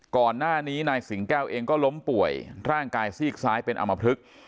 ก่อนหน้านี้นายสิงแก้วเองก็ล้มป่วยร่างกายซีกซ้ายเป็นอมพลึก